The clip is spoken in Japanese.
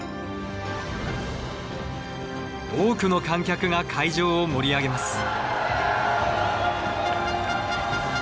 多くの観客が会場を盛り上げます。